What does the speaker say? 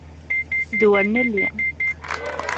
D wer nelli!